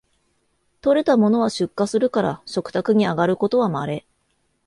採れたものは出荷するから食卓にあがることはまれ